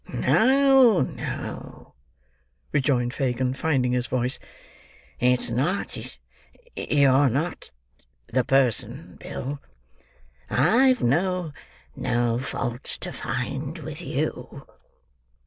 "No, no," rejoined Fagin, finding his voice. "It's not—you're not the person, Bill. I've no—no fault to find with you."